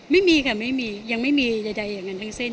ไม่มีค่ะไม่มียังไม่มีใดอย่างนั้นทั้งสิ้น